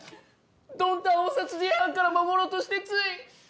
ドンタンを殺人犯から守ろうとしてつい。